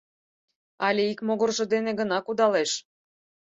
Але ик могыржо дене гына кудалеш...